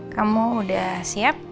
kamu udah siap